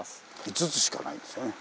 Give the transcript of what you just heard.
５つしかないんですよね。